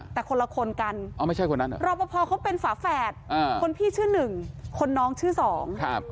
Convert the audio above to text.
แต่คนละคนกันรอปพเขาเป็นฝาแฝดคนพี่ชื่อหนึ่งคนน้องชื่อสอง